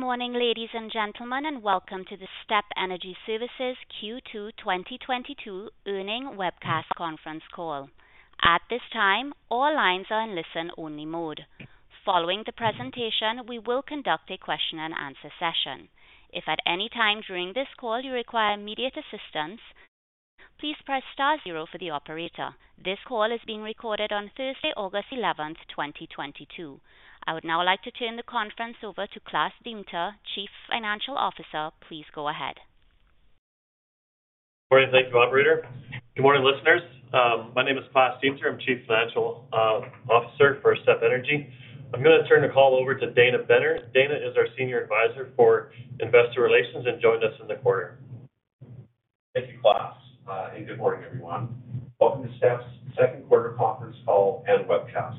Good morning, ladies and gentlemen, and welcome to the STEP Energy Services Q2 2022 Earnings Webcast conference call. At this time, all lines are in listen only mode. Following the presentation, we will conduct a question and answer session. If at any time during this call you require immediate assistance, please press star zero for the operator. This call is being recorded on Thursday, August 11, 2022. I would now like to turn the conference over to Klaas Deemter, Chief Financial Officer. Please go ahead. Good morning. Thank you, operator. Good morning, listeners. My name is Klaas Deemter. I'm Chief Financial Officer for STEP Energy. I'm gonna turn the call over to Dana Benner. Dana is our Senior Advisor for Investor Relations and joining us in the quarter. Thank you, Klaas. Good morning, everyone. Welcome to STEP's Q2 conference call and webcast.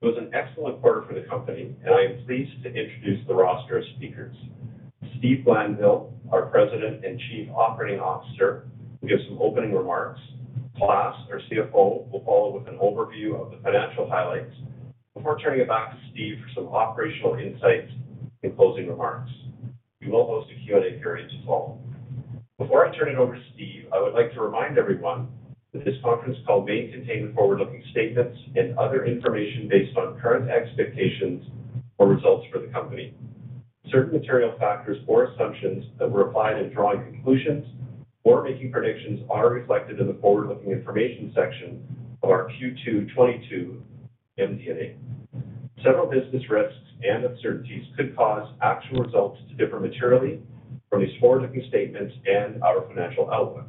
It was an excellent quarter for the company, and I am pleased to introduce the roster of speakers. Steve Glanville, our President and Chief Operating Officer, will give some opening remarks. Klaas, our CFO, will follow with an overview of the financial highlights before turning it back to Steve for some operational insights and closing remarks. We will host a Q&A period to follow. Before I turn it over to Steve, I would like to remind everyone that this conference call may contain forward-looking statements and other information based on current expectations or results for the company. Certain material factors or assumptions that were applied in drawing conclusions or making predictions are reflected in the forward-looking information section of our Q2 2022 MD&A. Several business risks and uncertainties could cause actual results to differ materially from these forward-looking statements and our financial outlook.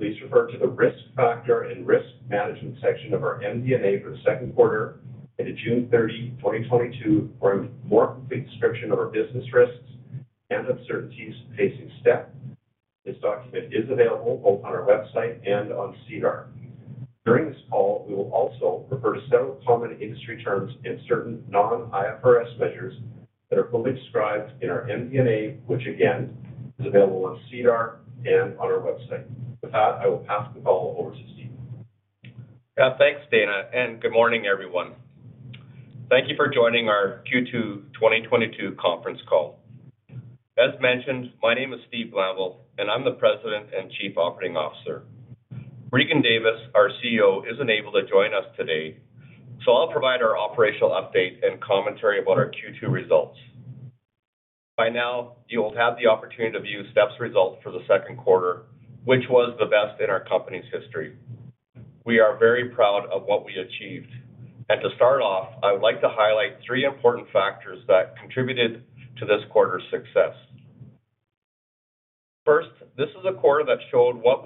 Please refer to the Risk Factor and Risk Management section of our MD&A for the Q2 ended June 30, 2022 for a more complete description of our business risks and uncertainties facing STEP. This document is available both on our website and on SEDAR. During this call, we will also refer to several common industry terms and certain non-IFRS measures that are fully described in our MD&A, which again is available on SEDAR and on our website. With that, I will pass the call over to Steve. Yeah. Thanks, Dana, and good morning, everyone. Thank you for joining our Q2 2022 conference call. As mentioned, my name is Steve Glanville, and I'm the President and Chief Operating Officer. Regan Davis, our CEO, is unable to join us today, so I'll provide our operational update and commentary about our Q2 results. By now, you'll have the opportunity to view STEP's results for the Q2, which was the best in our company's history. We are very proud of what we achieved. To start off, I would like to highlight three important factors that contributed to this quarter's success. First, this is a quarter that showed what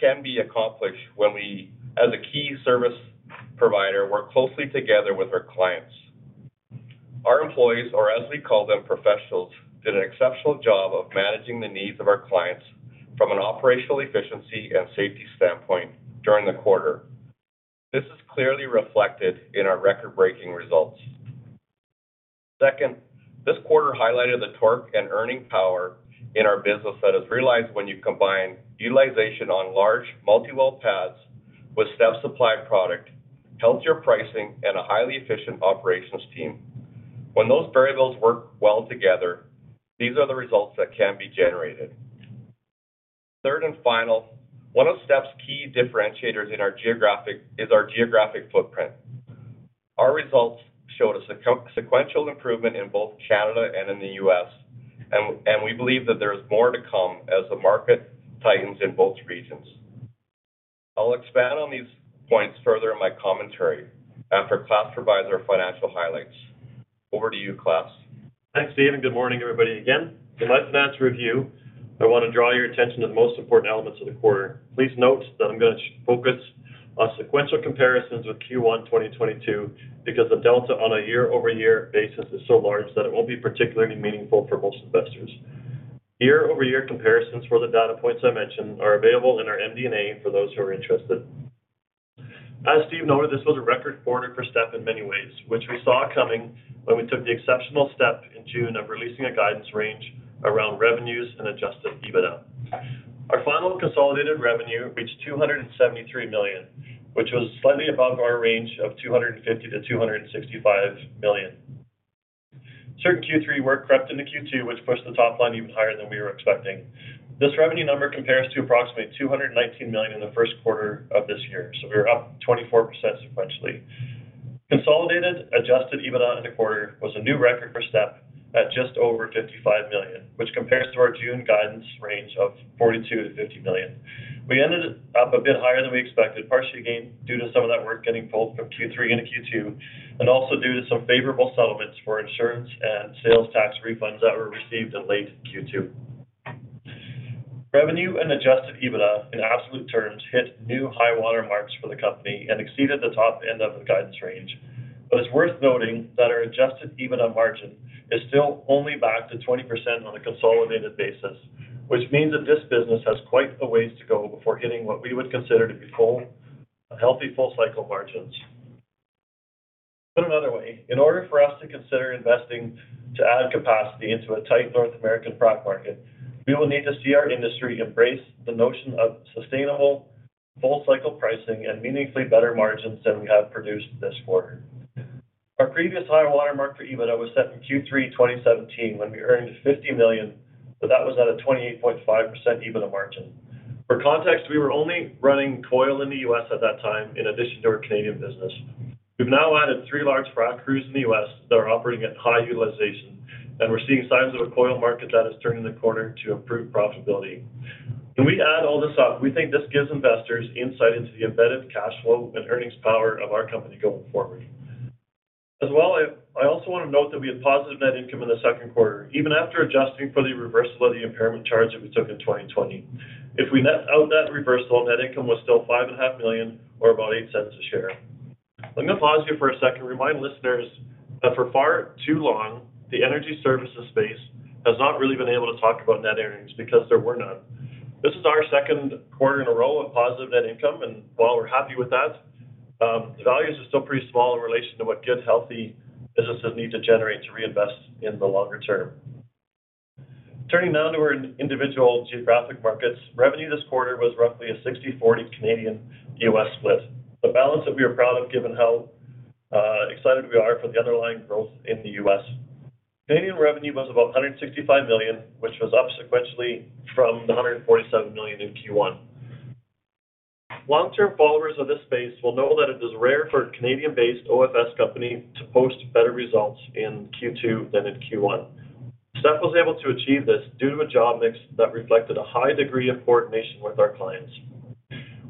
can be accomplished when we, as a key service provider, work closely together with our clients. Our employees, or as we call them, professionals, did an exceptional job of managing the needs of our clients from an operational efficiency and safety standpoint during the quarter. This is clearly reflected in our record-breaking results. Second, this quarter highlighted the torque and earning power in our business that is realized when you combine utilization on large multi-well pads with STEP-supplied product, healthier pricing, and a highly efficient operations team. When those variables work well together, these are the results that can be generated. Third and final, one of STEP's key differentiators is our geographic footprint. Our results showed a sequential improvement in both Canada and in the U.S., and we believe that there is more to come as the market tightens in both regions. I'll expand on these points further in my commentary after Klaas provides our financial highlights. Over to you, Klaas. Thanks, Steve, and good morning, everybody again. In my financial review, I wanna draw your attention to the most important elements of the quarter. Please note that I'm gonna focus on sequential comparisons with Q1 2022 because the delta on a year-over-year basis is so large that it won't be particularly meaningful for most investors. Year-over-year comparisons for the data points I mentioned are available in our MD&A for those who are interested. As Steve noted, this was a record quarter for STEP in many ways, which we saw coming when we took the exceptional step in June of releasing a guidance range around revenues and adjusted EBITDA. Our final consolidated revenue reached 273 million, which was slightly above our range of 250 million-265 million. Certain Q3 work crept into Q2, which pushed the top line even higher than we were expecting. This revenue number compares to approximately 219 million in the Q1 of this year, so we are up 24% sequentially. Consolidated adjusted EBITDA in the quarter was a new record for STEP at just over 55 million, which compares to our June guidance range of 42 million-50 million. We ended up a bit higher than we expected, partially again due to some of that work getting pulled from Q3 into Q2 and also due to some favorable settlements for insurance and sales tax refunds that were received in late Q2. Revenue and adjusted EBITDA in absolute terms hit new high water marks for the company and exceeded the top end of the guidance range. It's worth noting that our adjusted EBITDA margin is still only back to 20% on a consolidated basis, which means that this business has quite a ways to go before hitting what we would consider to be a healthy full-cycle margins. Put another way, in order for us to consider investing to add capacity into a tight North American frac market, we will need to see our industry embrace the notion of sustainable full-cycle pricing and meaningfully better margins than we have produced this quarter. Our previous high watermark for EBITDA was set in Q3 2017 when we earned 50 million, but that was at a 28.5% EBITDA margin. For context, we were only running coil in the U.S. at that time in addition to our Canadian business. We've now added three large frac crews in the U.S. that are operating at high utilization, and we're seeing signs of a coil market that is turning the corner to improve profitability. When we add all this up, we think this gives investors insight into the embedded cash flow and earnings power of our company going forward. As well, I also want to note that we had positive net income in the Q2, even after adjusting for the reversal of the impairment charge that we took in 2020. If we net out that reversal, net income was still five and a half million or about 0.08 a share. Let me pause here for a second and remind listeners that for far too long, the energy services space has not really been able to talk about net earnings because there were none. This is our Q2 in a row of positive net income, and while we're happy with that, the values are still pretty small in relation to what good, healthy businesses need to generate to reinvest in the longer term. Turning now to our individual geographic markets, revenue this quarter was roughly a 60/40 Canadian U.S. split. The balance that we are proud of, given how excited we are for the underlying growth in the U.S. Canadian revenue was about 165 million, which was up sequentially from the 147 million in Q1. Long-term followers of this space will know that it is rare for a Canadian-based OFS company to post better results in Q2 than in Q1. Staff was able to achieve this due to a job mix that reflected a high degree of coordination with our clients.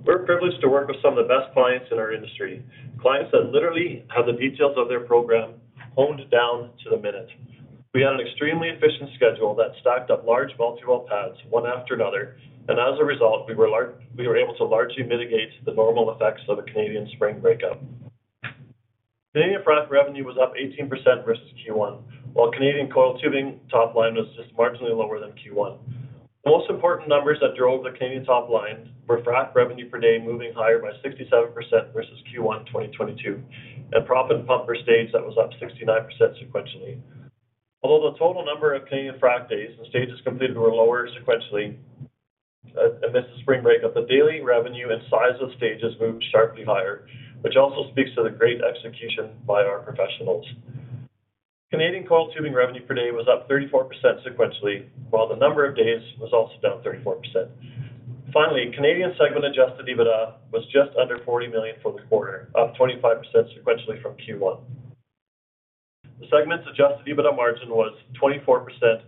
We're privileged to work with some of the best clients in our industry, clients that literally have the details of their program honed down to the minute. We had an extremely efficient schedule that stacked up large multi-well pads one after another, and as a result, we were able to largely mitigate the normal effects of a Canadian spring breakup. Canadian frac revenue was up 18% versus Q1, while Canadian coiled tubing top line was just marginally lower than Q1. The most important numbers that drove the Canadian top line were frac revenue per day moving higher by 67% versus Q1 2022, and proppant pump per stage that was up 69% sequentially. Although the total number of Canadian frac days and stages completed were lower sequentially, amidst the spring breakup, the daily revenue and size of stages moved sharply higher, which also speaks to the great execution by our professionals. Canadian coiled tubing revenue per day was up 34% sequentially, while the number of days was also down 34%. Finally, Canadian segment adjusted EBITDA was just under 40 million for the quarter, up 25% sequentially from Q1. The segment's adjusted EBITDA margin was 24%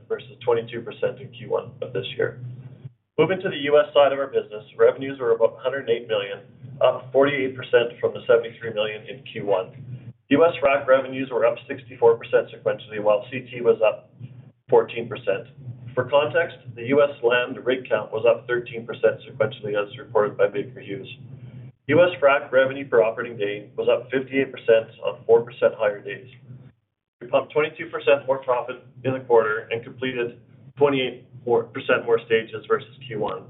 versus 22% in Q1 of this year. Moving to the U.S. side of our business, revenues were above 108 million, up 48% from the 73 million in Q1. U.S. frac revenues were up 64% sequentially, while CT was up 14%. For context, the U.S. land rig count was up 13% sequentially, as reported by Baker Hughes. U.S. frac revenue per operating day was up 58% on 4% higher days. We pumped 22% more proppant in the quarter and completed 28.4% more stages versus Q1.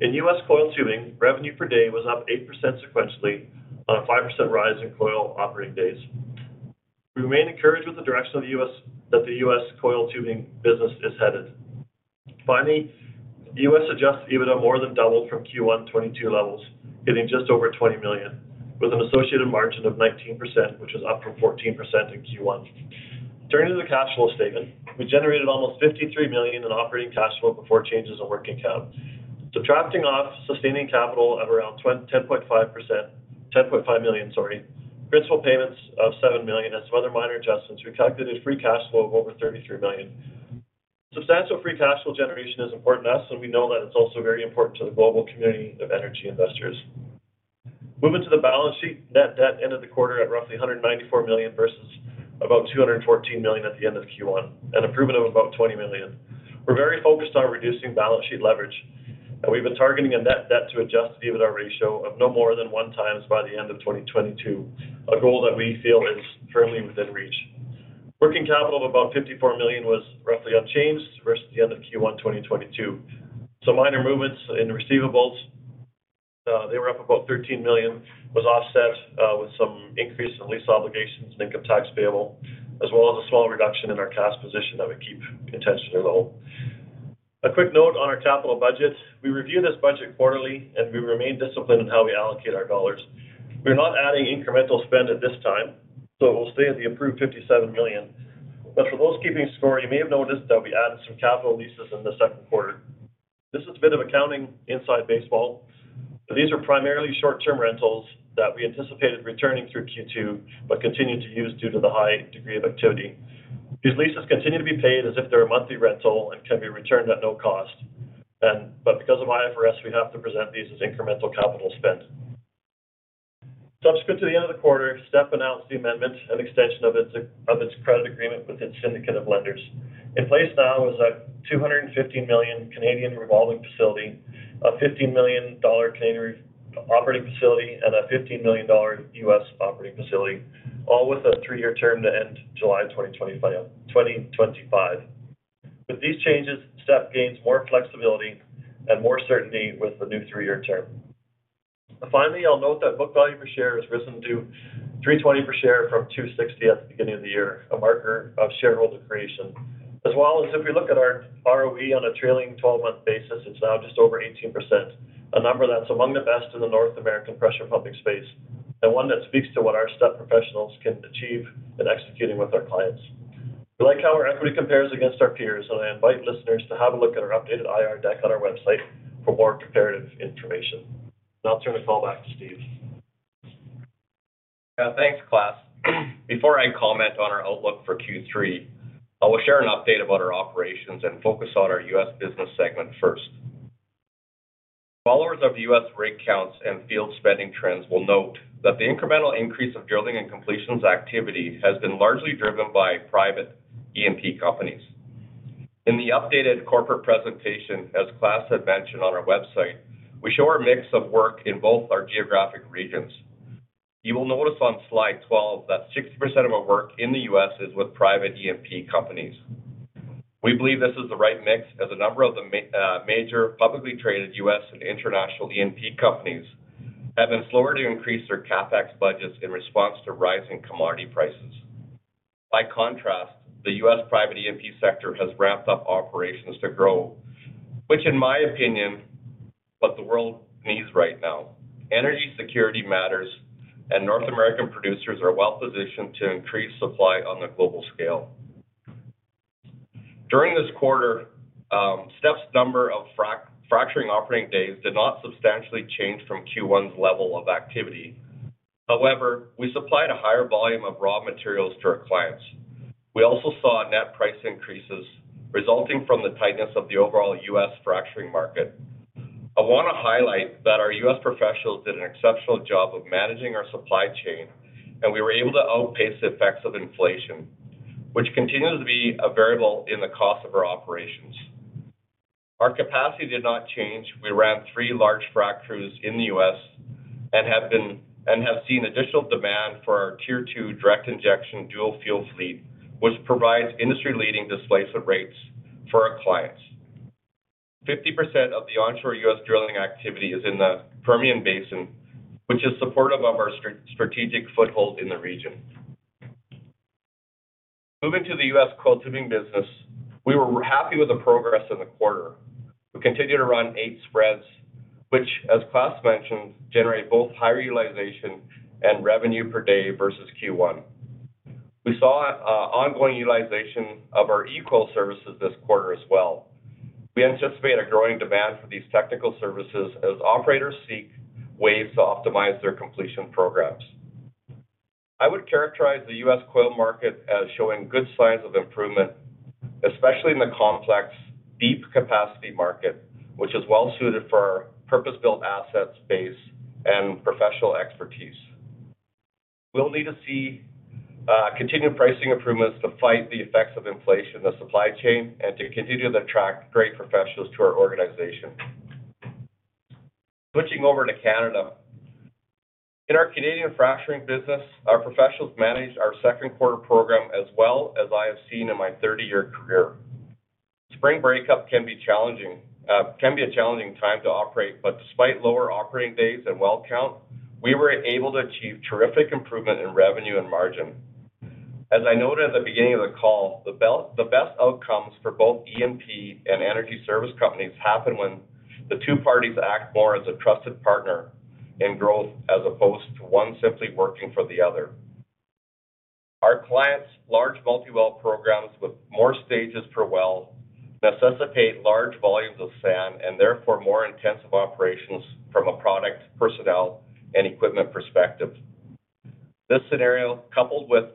In U.S. coiled tubing, revenue per day was up 8% sequentially on a 5% rise in coil operating days. We remain encouraged with the direction that the U.S. coiled tubing business is headed. Finally, U.S. adjusted EBITDA more than doubled from Q1 2022 levels, hitting just over 20 million, with an associated margin of 19%, which is up from 14% in Q1. Turning to the cash flow statement, we generated almost 53 million in operating cash flow before changes in working capital. Subtracting off sustaining capital of around 10.5 million, sorry, principal payments of 7 million and some other minor adjustments, we calculated free cash flow of over 33 million. Substantial free cash flow generation is important to us, and we know that it's also very important to the global community of energy investors. Moving to the balance sheet, net debt ended the quarter at roughly 194 million versus about 214 million at the end of Q1, an improvement of about 20 million. We're very focused on reducing balance sheet leverage, and we've been targeting a net debt to adjusted EBITDA ratio of no more than 1x by the end of 2022, a goal that we feel is firmly within reach. Working capital of about 54 million was roughly unchanged versus the end of Q1 2022. Some minor movements in receivables, they were up about 13 million, was offset with some increase in lease obligations and income tax payable, as well as a small reduction in our cash position that we keep intentionally low. A quick note on our capital budget. We review this budget quarterly, and we remain disciplined in how we allocate our dollars. We're not adding incremental spend at this time, so we'll stay at the approved 57 million. For those keeping score, you may have noticed that we added some capital leases in the Q2. This is a bit of accounting inside baseball, but these are primarily short-term rentals that we anticipated returning through Q2, but continued to use due to the high degree of activity. These leases continue to be paid as if they're a monthly rental and can be returned at no cost. Because of IFRS, we have to present these as incremental capital spend. Subsequent to the end of the quarter, Step announced the amendment and extension of its credit agreement with its syndicate of lenders. In place now is a 250 million Canadian dollars revolving facility, a 15 million Canadian dollars operating facility, and a $15 million US operating facility, all with a three-year term to end July 2025. With these changes, Step gains more flexibility and more certainty with the new three-year term. Finally, I'll note that book value per share has risen to 3.20 per share from 2.60 at the beginning of the year, a marker of shareholder creation. As well as if we look at our ROE on a trailing twelve-month basis, it's now just over 18%, a number that's among the best in the North American pressure pumping space, and one that speaks to what our Step professionals can achieve in executing with our clients. We like how our equity compares against our peers, so I invite listeners to have a look at our updated IR deck on our website for more comparative information. Now I'll turn the call back to Steve. Thanks, Klaas. Before I comment on our outlook for Q3, I will share an update about our operations and focus on our U.S. business segment first. Followers of U.S. rig counts and field spending trends will note that the incremental increase of drilling and completions activity has been largely driven by private E&P companies. In the updated corporate presentation, as Klaas had mentioned on our website, we show our mix of work in both our geographic regions. You will notice on slide 12 that 60% of our work in the U.S. is with private E&P companies. We believe this is the right mix as a number of the major publicly traded U.S. and international E&P companies have been slower to increase their CapEx budgets in response to rising commodity prices. By contrast, the U.S. private E&P sector has ramped up operations to grow, which in my opinion, what the world needs right now. Energy security matters and North American producers are well-positioned to increase supply on the global scale. During this quarter, Step's number of fracturing operating days did not substantially change from Q1's level of activity. However, we supplied a higher volume of raw materials to our clients. We also saw net price increases resulting from the tightness of the overall U.S. fracturing market. I wanna highlight that our U.S. professionals did an exceptional job of managing our supply chain, and we were able to outpace the effects of inflation, which continues to be a variable in the cost of our operations. Our capacity did not change. We ran three large frac crews in the U.S. and have seen additional demand for our Tier 4 direct injection dual fuel fleet, which provides industry-leading displacement rates for our clients. 50% of the onshore U.S. drilling activity is in the Permian Basin, which is supportive of our strategic foothold in the region. Moving to the US coiled tubing business, we were happy with the progress in the quarter. We continued to run 8 spreads, which, as Klaas mentioned, generate both higher utilization and revenue per day versus Q1. We saw ongoing utilization of our eCoil services this quarter as well. We anticipate a growing demand for these technical services as operators seek ways to optimize their completion programs. I would characterize the U.S. coil market as showing good signs of improvement, especially in the complex deep capacity market, which is well suited for our purpose-built asset space and professional expertise. We'll need to see continued pricing improvements to fight the effects of inflation in the supply chain and to continue to attract great professionals to our organization. Switching over to Canada. In our Canadian fracturing business, our professionals managed our Q2 program as well as I have seen in my 30-year career. Spring breakup can be a challenging time to operate, but despite lower operating days and well count, we were able to achieve terrific improvement in revenue and margin. As I noted at the beginning of the call, the best outcomes for both E&P and energy service companies happen when the two parties act more as a trusted partner in growth as opposed to one simply working for the other. Our clients' large multi-well programs with more stages per well necessitate large volumes of sand and therefore more intensive operations from a product, personnel, and equipment perspective. This scenario, coupled with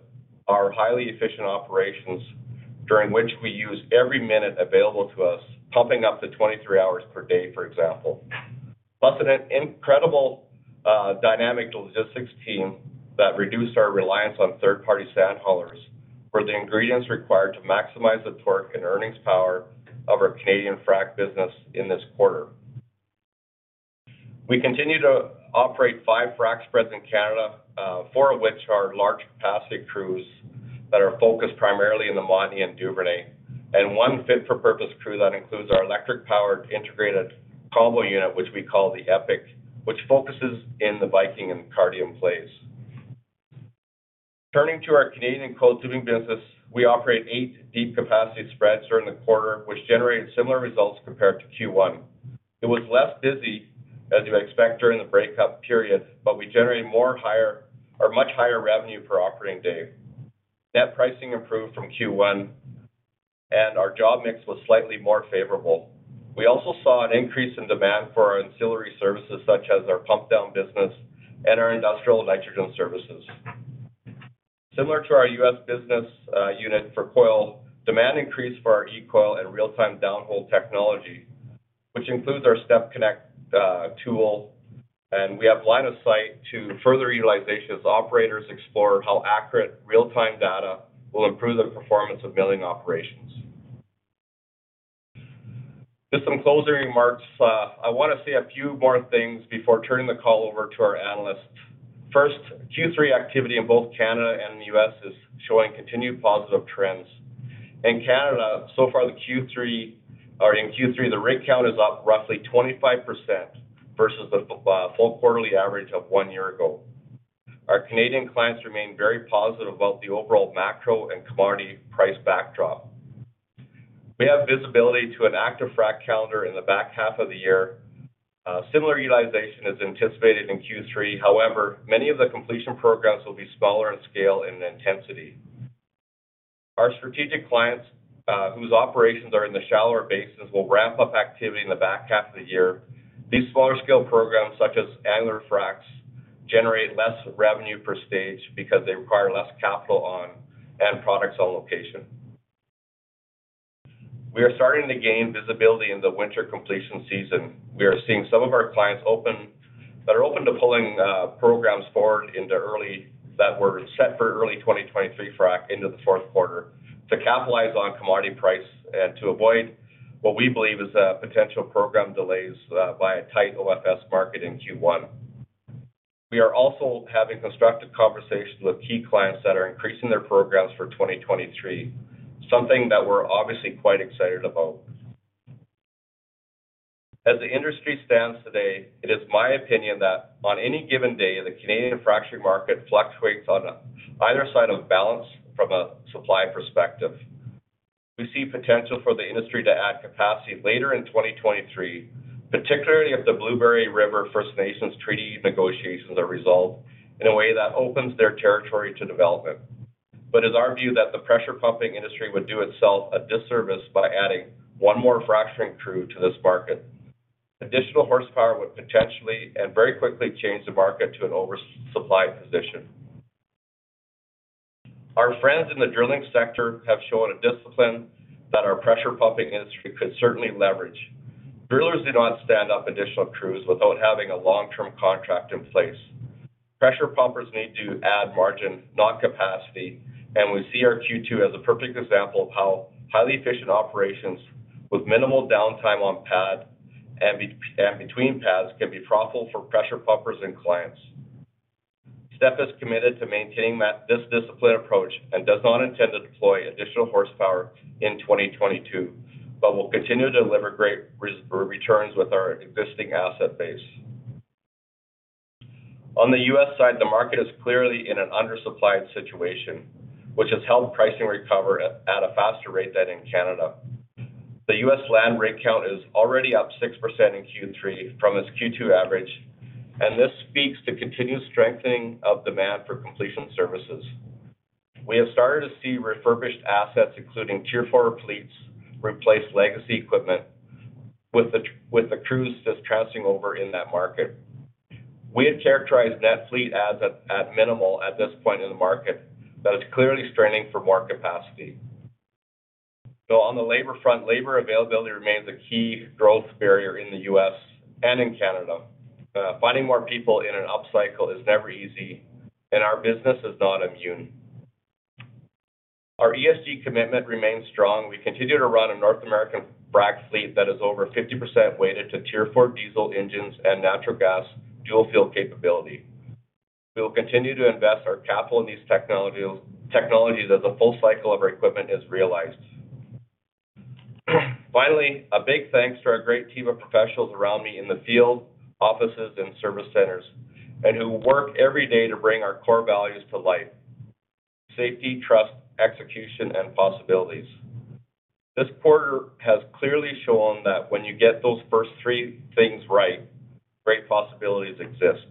our highly efficient operations during which we use every minute available to us, pumping up to 23 hours per day, for example. An incredible, dynamic logistics team that reduced our reliance on third-party sand haulers were the ingredients required to maximize the torque and earnings power of our Canadian frac business in this quarter. We continue to operate five frac spreads in Canada, four of which are large capacity crews that are focused primarily in the Montney and Duvernay, and one fit-for-purpose crew that includes our electric-powered integrated combo unit, which we call the EPIC, which focuses in the Viking and Cardium plays. Turning to our Canadian coiled tubing business, we operate eight deep capacity spreads during the quarter, which generated similar results compared to Q1. It was less busy, as you expect during the breakup period, but we generated more higher or much higher revenue per operating day. Net pricing improved from Q1, and our job mix was slightly more favorable. We also saw an increase in demand for our ancillary services such as our pump down business and our industrial nitrogen services. Similar to our U.S. business, unit for coil, demand increased for our eCoil and real-time downhole technology, which includes our STEP-conneCT tool, and we have line of sight to further utilization as operators explore how accurate real-time data will improve the performance of milling operations. Just some closing remarks. I wanna say a few more things before turning the call over to our analysts. First, Q3 activity in both Canada and the U.S. is showing continued positive trends. In Canada, so far in Q3, the rig count is up roughly 25% versus the full quarterly average of one year ago. Our Canadian clients remain very positive about the overall macro and commodity price backdrop. We have visibility to an active frac calendar in the back half of the year. Similar utilization is anticipated in Q3. However, many of the completion programs will be smaller in scale and intensity. Our strategic clients, whose operations are in the shallower basins will ramp up activity in the back half of the year. These smaller scale programs, such as annular fracs, generate less revenue per stage because they require less capital on, and products on location. We are starting to gain visibility in the winter completion season. We are seeing some of our clients that are open to pulling programs forward that were set for early 2023 frac into the Q4 to capitalize on commodity price and to avoid what we believe is potential program delays by a tight OFS market in Q1. We are also having constructive conversations with key clients that are increasing their programs for 2023, something that we're obviously quite excited about. As the industry stands today, it is my opinion that on any given day, the Canadian fracturing market fluctuates on either side of balance from a supply perspective. We see potential for the industry to add capacity later in 2023, particularly if the Blueberry River First Nations treaty negotiations are resolved in a way that opens their territory to development. It's our view that the pressure pumping industry would do itself a disservice by adding one more fracturing crew to this market. Additional horsepower would potentially and very quickly change the market to an oversupply position. Our friends in the drilling sector have shown a discipline that our pressure pumping industry could certainly leverage. Drillers do not stand up additional crews without having a long-term contract in place. Pressure pumpers need to add margin, not capacity, and we see our Q2 as a perfect example of how highly efficient operations with minimal downtime on pad and between pads can be profitable for pressure pumpers and clients. Step is committed to maintaining this disciplined approach and does not intend to deploy additional horsepower in 2022, but we'll continue to deliver great returns with our existing asset base. On the U.S. side, the market is clearly in an undersupplied situation, which has helped pricing recover at a faster rate than in Canada. The U.S. land rig count is already up 6% in Q3 from its Q2 average, and this speaks to continued strengthening of demand for completion services. We have started to see refurbished assets, including Tier 4 fleets, replace legacy equipment with the crews just crossing over in that market. We have characterized that fleet as at minimal at this point in the market, but it's clearly straining for more capacity. On the labor front, labor availability remains a key growth barrier in the U.S. and in Canada. Finding more people in an upcycle is never easy, and our business is not immune. Our ESG commitment remains strong. We continue to run a North American frac fleet that is over 50% weighted to Tier 4 diesel engines and natural gas dual fuel capability. We will continue to invest our capital in these technologies as a full cycle of our equipment is realized. Finally, a big thanks to our great team of professionals around me in the field, offices, and service centers, and who work every day to bring our core values to life, safety, trust, execution, and possibilities. This quarter has clearly shown that when you get those first three things right, great possibilities exist.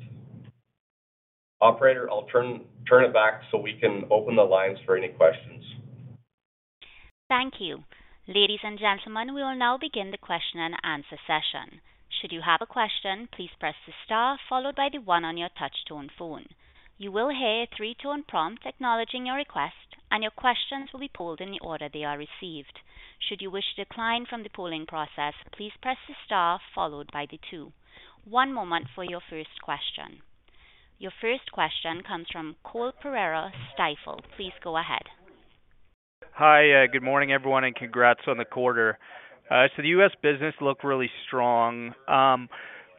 Operator, I'll turn it back so we can open the lines for any questions. Thank you. Ladies and gentlemen, we will now begin the question-and-answer session. Should you have a question, please press the star followed by the one on your touch tone phone. You will hear a three-tone prompt acknowledging your request, and your questions will be queued in the order they are received. Should you wish to decline from the polling process, please press the star followed by the two. One moment for your first question. Your first question comes from Cole Pereira, Stifel. Please go ahead. Hi. Good morning, everyone, and congrats on the quarter. The U.S. business looked really strong.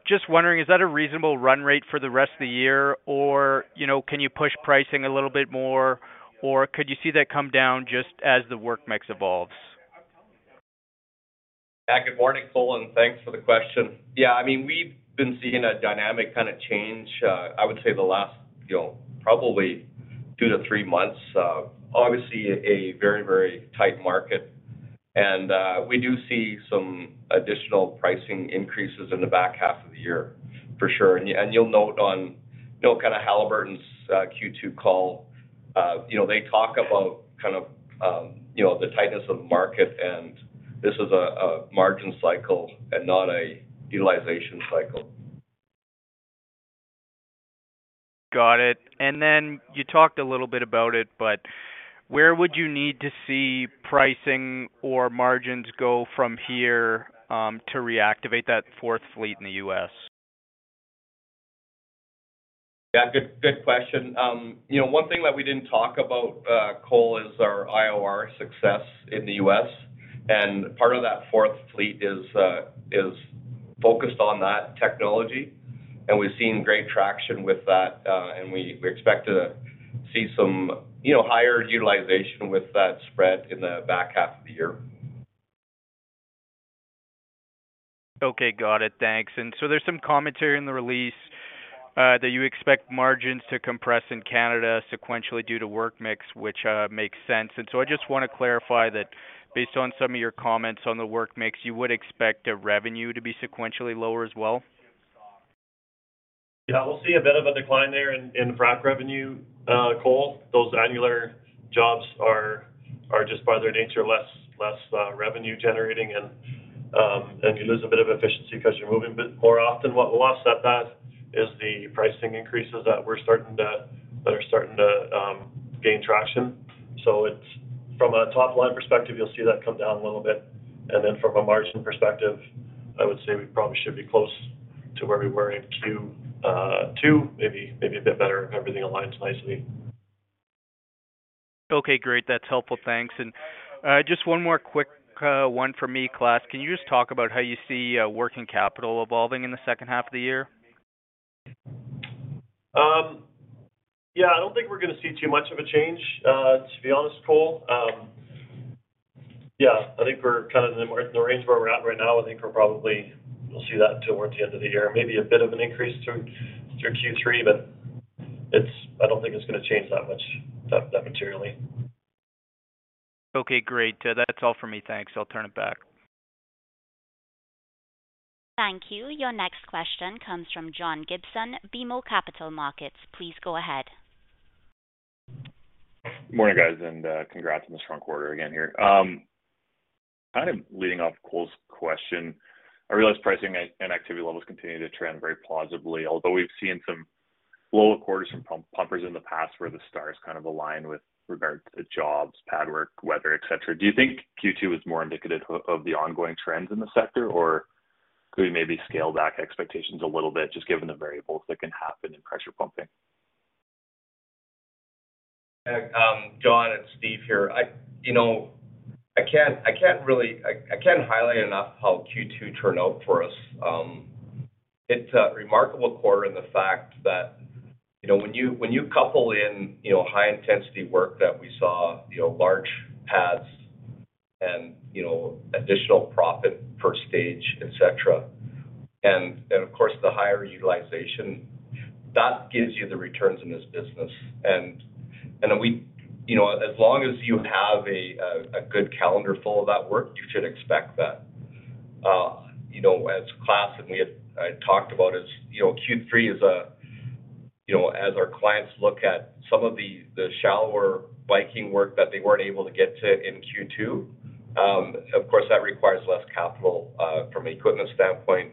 Just wondering, is that a reasonable run rate for the rest of the year? You know, can you push pricing a little bit more? Could you see that come down just as the work mix evolves? Yeah. Good morning, Cole, and thanks for the question. Yeah, I mean, we've been seeing a dynamic kinda change, I would say the last, you know, probably two-three months. Obviously a very, very tight market. We do see some additional pricing increases in the back half of the year for sure. You'll note on, you know, kinda Halliburton's Q2 call, you know, they talk about kind of, you know, the tightness of the market, and this is a margin cycle and not a utilization cycle. Got it. You talked a little bit about it, but where would you need to see pricing or margins go from here, to reactivate that fourth fleet in the U.S.? Good question. You know, one thing that we didn't talk about, Cole, is our IOR success in the US. Part of that fourth fleet is focused on that technology, and we've seen great traction with that, and we expect to see some, you know, higher utilization with that spread in the back half of the year. Okay, got it. Thanks. There's some commentary in the release that you expect margins to compress in Canada sequentially due to work mix, which makes sense. I just wanna clarify that based on some of your comments on the work mix, you would expect the revenue to be sequentially lower as well? Yeah, we'll see a bit of a decline there in frac revenue, Cole. Those annular jobs are just by their nature less revenue generating and you lose a bit of efficiency 'cause you're moving a bit more often. What will offset that is the pricing increases that are starting to gain traction. It's from a top-line perspective, you'll see that come down a little bit. Then from a margin perspective, I would say we probably should be close to where we were in Q two, maybe a bit better if everything aligns nicely. Okay, great. That's helpful. Thanks. Just one more quick one for me, Klaas. Can you just talk about how you see working capital evolving in the second half of the year? Yeah, I don't think we're gonna see too much of a change, to be honest, Cole. Yeah, I think we're kind of in the range where we're at right now. I think we'll see that towards the end of the year. Maybe a bit of an increase through Q3, but I don't think it's gonna change that much that materially. Okay, great. That's all for me. Thanks. I'll turn it back. Thank you. Your next question comes from John Gibson, BMO Capital Markets. Please go ahead. Morning, guys, and congrats on the strong quarter again here. Kind of leading off Cole's question, I realize pricing and activity levels continue to trend very positively, although we've seen some lower quarters from pumpers in the past where the stars kind of align with regard to jobs, pad work, weather, et cetera. Do you think Q2 is more indicative of the ongoing trends in the sector, or could we maybe scale back expectations a little bit just given the variables that can happen in pressure pumping? John, it's Steve here. You know, I can't highlight enough how Q2 turned out for us. It's a remarkable quarter in the fact that, you know, when you couple in, you know, high intensity work that we saw, you know, large pads and, you know, additional profit per stage, et cetera, and, of course, the higher utilization, that gives you the returns in this business. You know, as long as you have a good calendar full of that work, you should expect that. You know, as Klaas and me had talked about is, you know, Q3 is, you know, as our clients look at some of the shallower Viking work that they weren't able to get to in Q2, of course, that requires less capital from an equipment standpoint,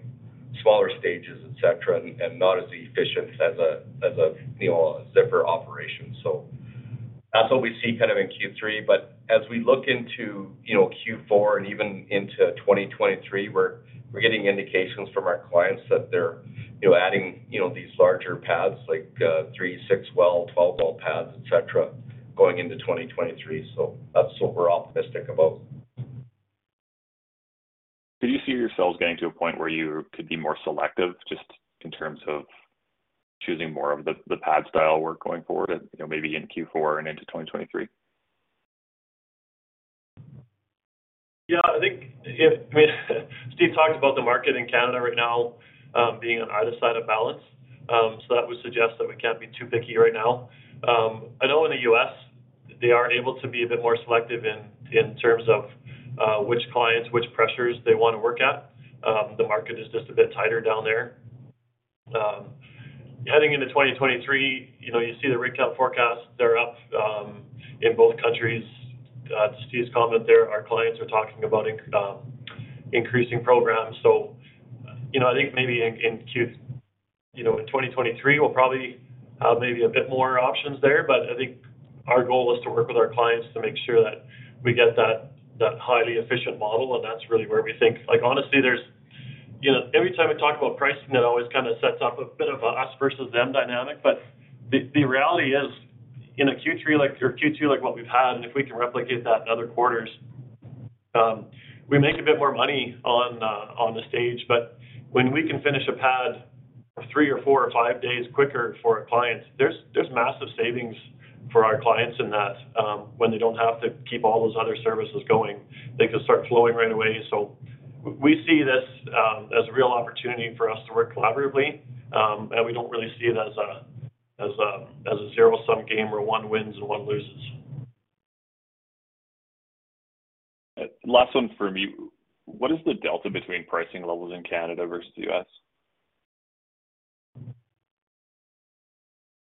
smaller stages, et cetera, and not as efficient as a zipper fracturing. So that's what we see kind of in Q3. But as we look into, you know, Q4 and even into 2023, we're getting indications from our clients that they're, you know, adding, you know, these larger pads, like three, six-well, 12-well pads, et cetera, going into 2023. So that's what we're optimistic about. Do you see yourselves getting to a point where you could be more selective just in terms of choosing more of the pad style work going forward and, you know, maybe in Q4 and into 2023? Yeah, I think Steve talked about the market in Canada right now, being on either side of balance, so that would suggest that we can't be too picky right now. I know in the US, they are able to be a bit more selective in terms of which clients, which pressures they wanna work at. The market is just a bit tighter down there. Heading into 2023, you know, you see the rig count forecasts, they're up in both countries. Steve's comment there, our clients are talking about increasing programs. You know, I think maybe in 2023, we'll probably maybe a bit more options there. I think our goal is to work with our clients to make sure that we get that highly efficient model, and that's really where we think. Like, honestly, there's, you know, every time we talk about pricing, that always kinda sets up a bit of a us versus them dynamic. The reality is, in a Q3 like or Q2 like what we've had, and if we can replicate that in other quarters, we make a bit more money on the stage. When we can finish a pad three or four or five days quicker for a client, there's massive savings for our clients in that, when they don't have to keep all those other services going, they can start flowing right away. We see this as a real opportunity for us to work collaboratively, and we don't really see it as a zero-sum game where one wins and one loses. Last one from me. What is the delta between pricing levels in Canada versus the U.S.?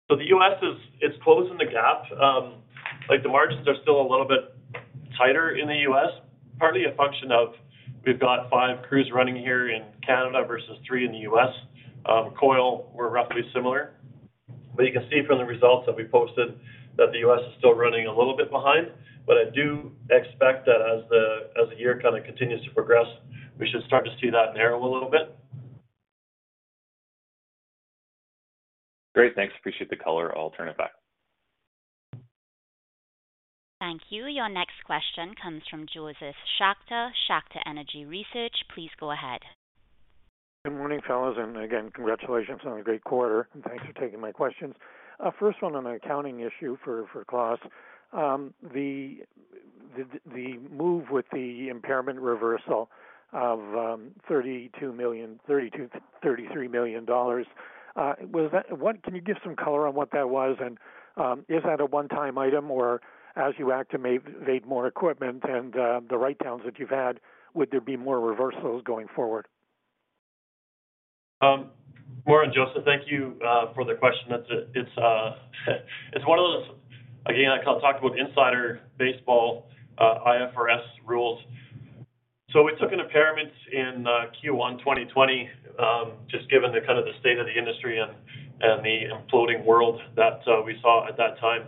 The U.S. is, it's closing the gap. Like, the margins are still a little bit tighter in the U.S., partly a function of we've got five crews running here in Canada versus three in the U.S. eCoil, we're roughly similar. You can see from the results that we posted that the U.S. is still running a little bit behind. I do expect that as the year kinda continues to progress, we should start to see that narrow a little bit. Great. Thanks. Appreciate the color. I'll turn it back. Thank you. Your next question comes from Josef Schachter, Schachter Energy Research. Please go ahead. Good morning, fellas. Again, congratulations on a great quarter, and thanks for taking my questions. First one on an accounting issue for Klaas. The move with the impairment reversal of 32 million-33 million dollars was that? Can you give some color on what that was? Is that a one-time item? Or as you activate more equipment and the write-downs that you've had, would there be more reversals going forward? Morning, Josef. Thank you for the question. That's one of those, again, like, I'll talk about insider baseball, IFRS rules. We took an impairment in Q1, 2020, just given the kind of the state of the industry and the imploding world that we saw at that time.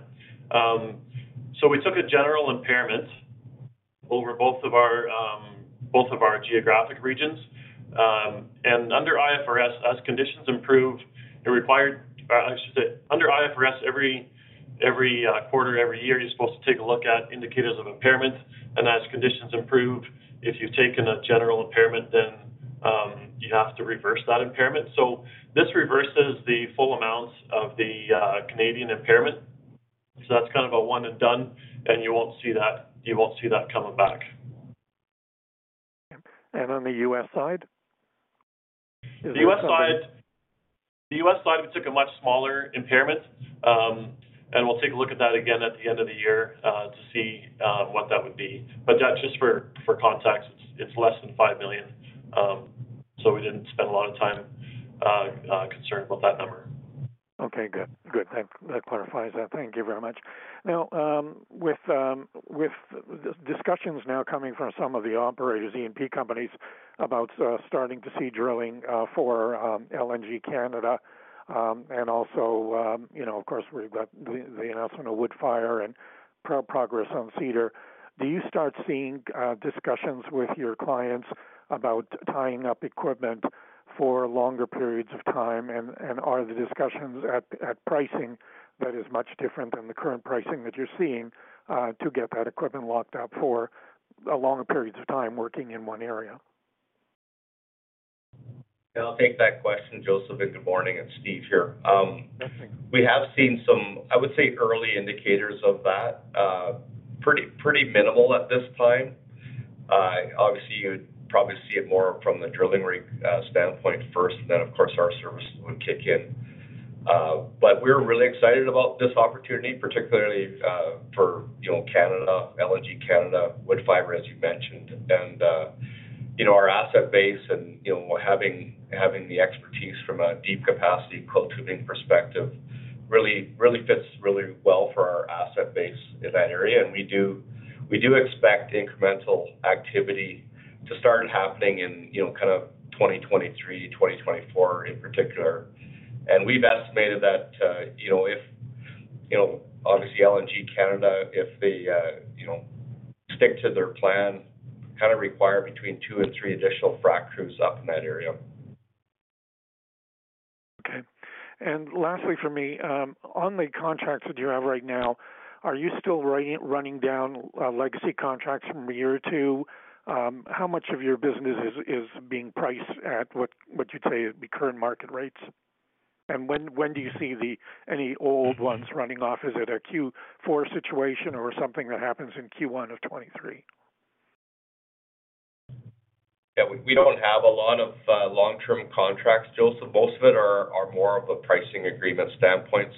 We took a general impairment over both of our geographic regions. Under IFRS, as conditions improve, it required. I should say, under IFRS, every quarter, every year, you're supposed to take a look at indicators of impairment. As conditions improve, if you've taken a general impairment, then you have to reverse that impairment. This reverses the full amount of the Canadian impairment, so that's kind of a one and done, and you won't see that coming back. On the U.S. side? Is there something- The U.S. side, we took a much smaller impairment. We'll take a look at that again at the end of the year to see what that would be. That's just for context, it's less than $5 million. We didn't spend a lot of time concerned about that number. Okay, good. That clarifies that. Thank you very much. Now, with the discussions now coming from some of the operators, E&P companies, about starting to see drilling for LNG Canada, and also, you know, of course, we've got the announcement of Woodfibre LNG and progress on Cedar, do you start seeing discussions with your clients about tying up equipment for longer periods of time? Are the discussions at pricing that is much different than the current pricing that you're seeing to get that equipment locked up for longer periods of time working in one area? Yeah, I'll take that question, Josef, and good morning. It's Steve here. Yes, thanks. We have seen some, I would say, early indicators of that. Pretty minimal at this time. Obviously, you would probably see it more from the drilling rig standpoint first, then of course our services would kick in. But we're really excited about this opportunity, particularly for, you know, Canada, LNG Canada, Woodfibre LNG, as you mentioned. You know, our asset base and, you know, having the expertise from a deep capacity coiled tubing perspective really fits really well for our asset base in that area. We do expect incremental activity to start happening in, you know, kind of 2023, 2024 in particular. We've estimated that, you know, if, you know, obviously LNG Canada, if they, you know, stick to their plan, kinda require between two and three additional frac crews up in that area. Okay. Lastly for me, on the contracts that you have right now, are you still running down legacy contracts from a year or two? How much of your business is being priced at what you'd say is the current market rates? When do you see any old ones running off? Is it a Q4 situation or something that happens in Q1 of 2023? Yeah. We don't have a lot of long-term contracts, Josef. Most of it are more of a pricing agreement standpoint.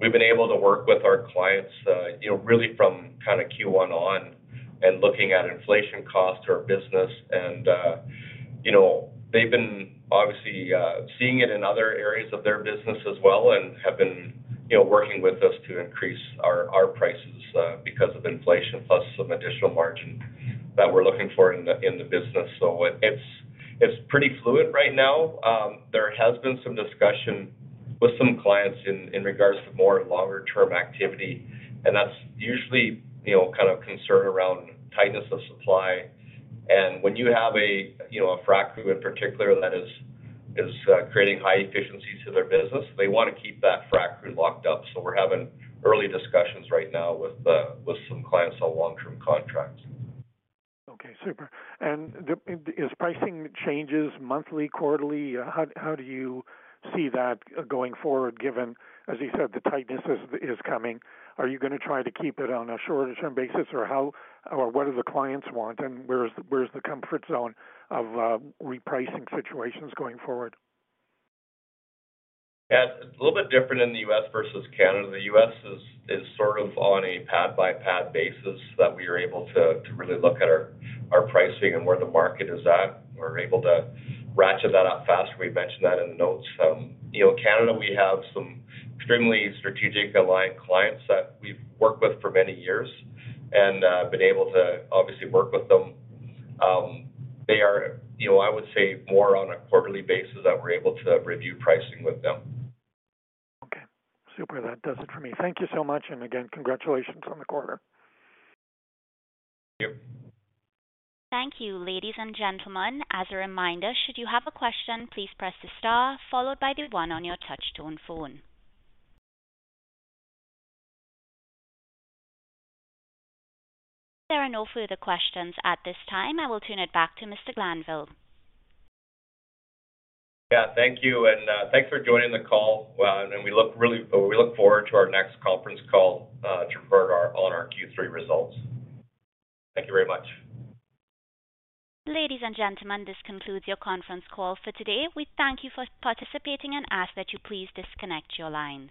We've been able to work with our clients, you know, really from kinda Q1 on, and looking at inflation cost to our business. You know, they've been obviously seeing it in other areas of their business as well and have been, you know, working with us to increase our prices because of inflation plus some additional margin that we're looking for in the business. It's pretty fluid right now. There has been some discussion with some clients in regards to more longer-term activity, and that's usually, you know, kind of concern around tightness of supply. When you have a, you know, a frac crew in particular that is creating high efficiency to their business, they wanna keep that frac crew locked up. We're having early discussions right now with some clients on long-term contracts. Okay, super. Is pricing changes monthly, quarterly? How do you see that going forward given, as you said, the tightness is coming? Are you gonna try to keep it on a shorter term basis? Or how? Or what do the clients want and where's the comfort zone of repricing situations going forward? Yeah. It's a little bit different in the U.S. versus Canada. The U.S. is sort of on a pad-by-pad basis that we are able to really look at our pricing and where the market is at. We're able to ratchet that up faster. We mentioned that in the notes. You know, Canada, we have some extremely strategic aligned clients that we've worked with for many years and been able to obviously work with them. They are, you know, I would say more on a quarterly basis that we're able to review pricing with them. Okay, super. That does it for me. Thank you so much. Again, congratulations on the quarter. Thank you. Thank you. Ladies and gentlemen, as a reminder, should you have a question, please press the star followed by the one on your touchtone phone. There are no further questions at this time. I will turn it back to Mr. Glanville. Yeah, thank you and thanks for joining the call, and we look forward to our next conference call to report on our Q3 results. Thank you very much. Ladies and gentlemen, this concludes your conference call for today. We thank you for participating and ask that you please disconnect your lines.